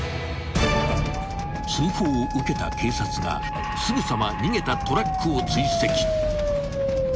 ［通報を受けた警察がすぐさま逃げたトラックを］